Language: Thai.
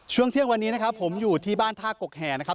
ช่วงเที่ยงวันนี้นะครับผมอยู่ที่บ้านท่ากกแห่นะครับ